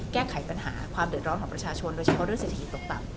แก้ไขปัญหาความเดือดร้อนของประชาชนโดยเฉพาะเรื่องเศรษฐกิจตกต่ำ